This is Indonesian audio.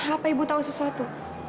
apa ibu tau sesuatu